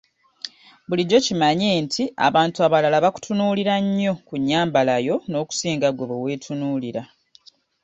Bulijjo kimanye nti abantu abalala bakutunuulira nnyo ku nnyambala yo n‘okusinga ggwe bwe weetunuulira.